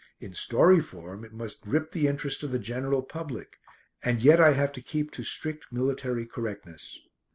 In story form it must grip the interest of the general public, and yet I have to keep to strict military correctness.